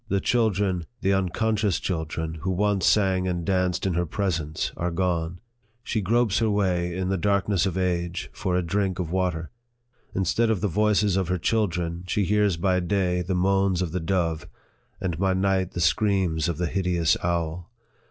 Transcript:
The children, the uncon scious children, who once sang and danced in her presence, are gone. She gropes her way, in the dark ness of age, for a drink of water. Instead of the voices of her children, she hears by day the moans of the dove, and by night the screams of the hideous owl.